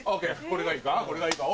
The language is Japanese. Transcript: これがいいか？